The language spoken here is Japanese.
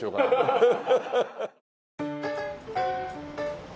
ハハハハ。